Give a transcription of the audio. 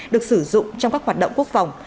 được sử dụng trong các hoạt động quốc phòng